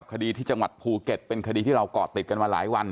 คดีที่จังหวัดภูเก็ตเป็นคดีที่เราเกาะติดกันมาหลายวัน